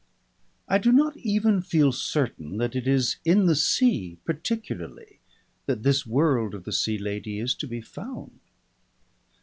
I do not even feel certain that it is in the sea particularly that this world of the Sea Lady is to be found.